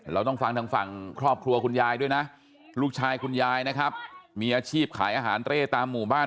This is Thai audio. เราต้องฟังทางฝั่งครอบครัวคุณยายด้วยนะลูกชายคุณยายนะครับมีอาชีพขายอาหารเร่ตามหมู่บ้าน